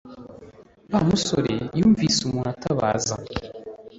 Wa musoreasi yumvise umuntu utabaza